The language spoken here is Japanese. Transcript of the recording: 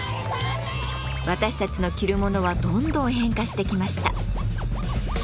私たちの着るものはどんどん変化してきました。